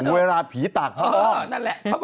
เวลาผีตากเข้าอ้อม